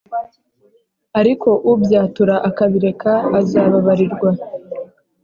ariko ubyatura akabireka azababarirwa